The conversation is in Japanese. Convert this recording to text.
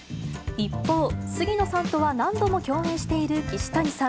一方、杉野さんとは何度も共演している岸谷さん。